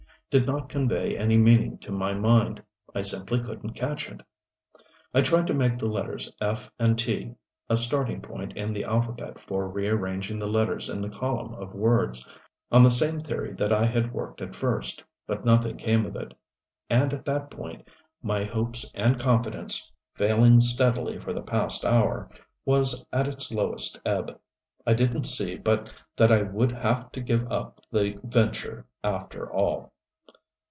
did not convey any meaning to my mind. I simply couldn't catch it. I tried to make the letters "F" and "T" a starting point in the alphabet for rearranging the letters in the column of words, on the same theory that I had worked at first, but nothing came of it. And at that point my hopes and confidence, falling steadily for the past hour, was at its lowest ebb. I didn't see but that I would have to give up the venture after all.